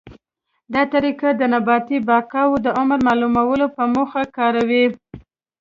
دا طریقه د نباتي بقایاوو د عمر معلومولو په موخه کاروي.